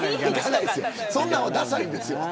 そんなんは、ださいんですよ。